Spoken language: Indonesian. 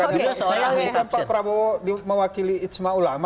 bukan pak prabowo mewakili istimewa ulama